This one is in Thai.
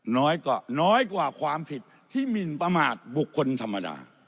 น้อยกว่าความผิดที่มิลประมาทบุคคลธรรมดา